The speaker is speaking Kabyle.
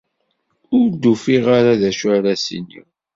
Ur d-ufiɣ ara d acu ara as-iniɣ.